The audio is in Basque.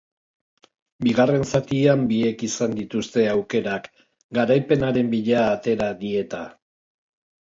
Bigarren zatian biek izan dituzte aukerak, garaipenaren bila atera dieta.